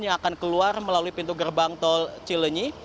yang akan keluar melalui pintu gerbang tol cilenyi